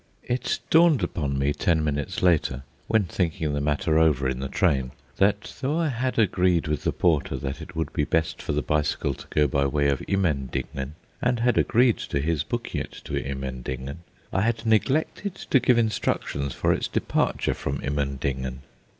It dawned upon me ten minutes later, when thinking the matter over in the train, that though I had agreed with the porter that it would be best for the bicycle to go by way of Immendingen, and had agreed to his booking it to Immendingen, I had neglected to give instructions for its departure from Immendingen.